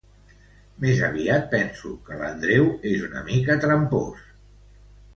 Més aviat penso que l'Andreu és una mica trampós.